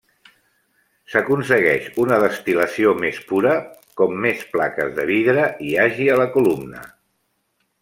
S'aconsegueix una destil·lació més pura com més plaques de vidre hi hagi a la columna.